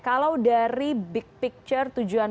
kalau dari big picture tujuan